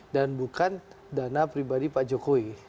dan bukan dana pribadi pak jokowi